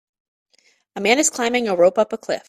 A man is climbing a rope up a cliff